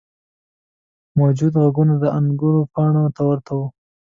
موجود غوږونه د انګور پاڼو ته ورته وو.